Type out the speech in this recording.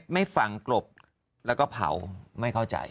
ไม่ฝังกลบแล้วก็เผาไม่เข้าใจ